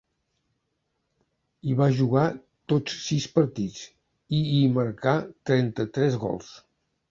Hi va jugar tots sis partits, i hi marcà trenta-tres gols.